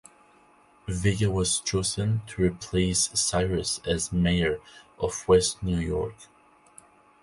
Vega was chosen to replace Sires as mayor of West New York.